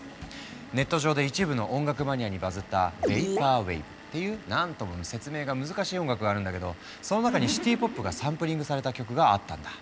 ネット上で一部の音楽マニアにバズったっていう何とも説明が難しい音楽があるんだけどその中にシティ・ポップがサンプリングされた曲があったんだ。